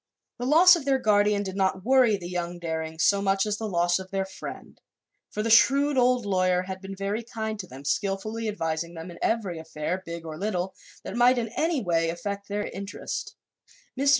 The loss of their guardian did not worry the young Darings so much as the loss of their friend, for the shrewd old lawyer had been very kind to them, skillfully advising them in every affair, big or little, that might in any way affect their interests. Mr.